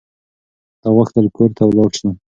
ده غوښتل کور ته ولاړ شي.